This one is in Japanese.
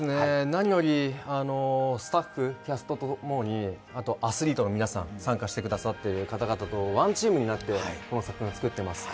何よりスタッフ、キャスト共に、あとアスリートの皆さん参加してくださっている方々とワンチームになって、この作品を作っています。